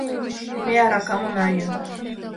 Ме аракам она йӱ